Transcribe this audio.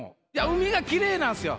海がきれいなんですよ！